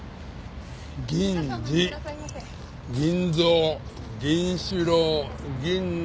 銀次銀三銀四郎銀崎